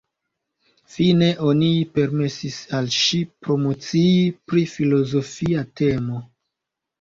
Fine oni permesis al ŝi promocii pri filozofia temo.